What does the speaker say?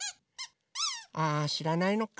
ああしらないのか。